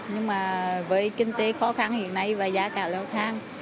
nhưng mà với kinh tế khó khăn hiện nay và giá cả lâu tháng